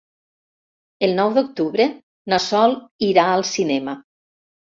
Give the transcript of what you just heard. El nou d'octubre na Sol irà al cinema.